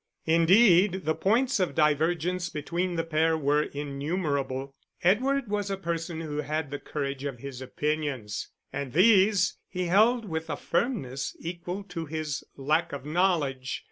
Indeed the points of divergence between the pair were innumerable. Edward was a person who had the courage of his opinions, and these he held with a firmness equal to his lack of knowledge.